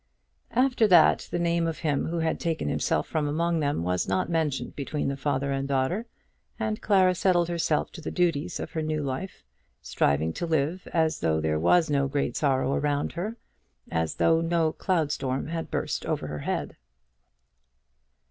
After that the name of him who had taken himself from among them was not mentioned between the father and daughter, and Clara settled herself to the duties of her new life, striving to live as though there was no great sorrow around her as though no cloud storm had burst over her head.